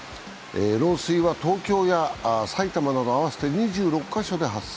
漏水は東京や埼玉など合わせて２６カ所で発生。